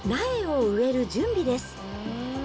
苗を植える準備です。